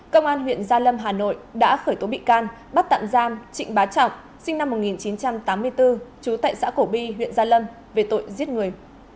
công an huyện gia lâm hà nội đã khởi tố bị can bắt tạm giam trịnh bá trọng sinh năm một nghìn chín trăm tám mươi bốn trú tại xã cổ bi huyện gia lâm về tội giết người